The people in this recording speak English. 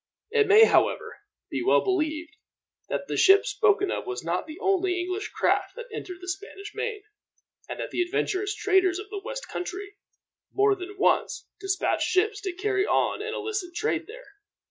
It may, however, be well believed that the ship spoken of was not the only English craft that entered the Spanish main; and that the adventurous traders of the West country, more than once, dispatched ships to carry on an illicit trade there.